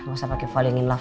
gak usah pakai falling in love